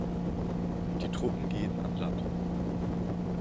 Die Truppen gehen an Land.